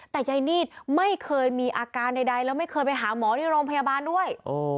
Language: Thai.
แต่ยายนีดไม่เคยมีอาการใดแล้วไม่เคยไปหาหมอที่โรงพยาบาลด้วย